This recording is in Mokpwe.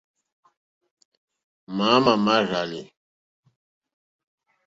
Máámà mà rzàlì.